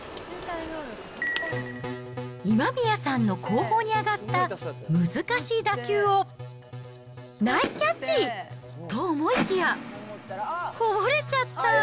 今宮さんの後方に上がった難しい打球をナイスキャッチ、と、思いきや、こぼれちゃった。